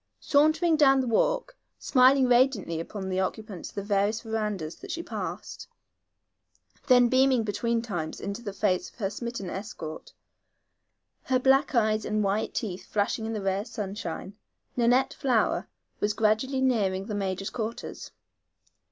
Sauntering down the walk, smiling radiantly upon the occupants of the various verandas that she passed, then beaming between times into the face of her smitten escort, her black eyes and white teeth flashing in the rare sunshine, Nanette Flower was gradually nearing the major's quarters.